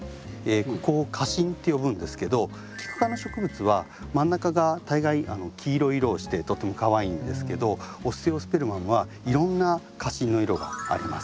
ここを花芯って呼ぶんですけどキク科の植物は真ん中が大概黄色い色をしてとってもかわいいんですけどオステオスペルマムはいろんな花芯の色があります。